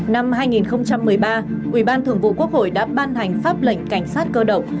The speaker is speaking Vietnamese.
năm hai nghìn một mươi ba ubthqh đã ban hành pháp lệnh cảnh sát cơ động